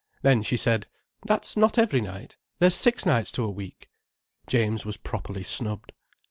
Then she said: "That's not every night. There's six nights to a week." James was properly snubbed.